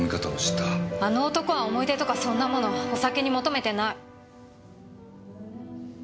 あの男は思い出とかそんなものお酒に求めてない！